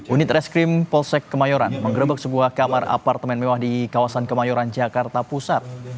unit reskrim polsek kemayoran menggerebek sebuah kamar apartemen mewah di kawasan kemayoran jakarta pusat